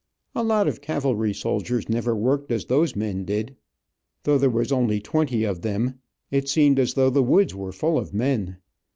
A lot of cavalry soldiers never worked as those men did. Though there was only twenty of them, it seemed as though the woods were full of men.